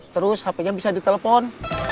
terus hp nya bisa ditelepon